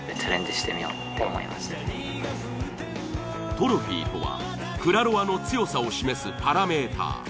トロフィーとは「クラロワ」の強さを示すパラメーター。